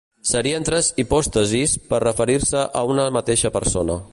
Serien tres hipòstasis per referir-se a una mateixa persona.